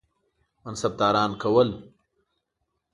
منصبداران کول.